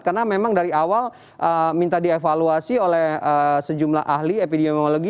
karena memang dari awal minta dievaluasi oleh sejumlah ahli epidemiologi